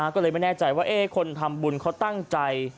ก็เลยไม่แน่ใจว่าคนทำบุญเขาตั้งใจ